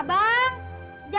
bang jangan gojek dulu ya